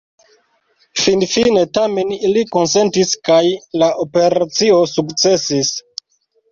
Finfine tamen ili konsentis, kaj la operacio sukcesis.